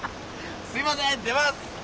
すいません出ます！